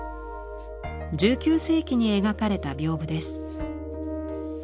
１９世紀に描かれた屏風です。